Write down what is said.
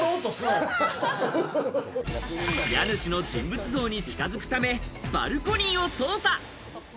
家主の人物像に近づくため、バルコニーを捜査。